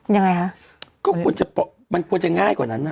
ยังไงคะก็ควรจะมันควรจะง่ายกว่านั้นน่ะ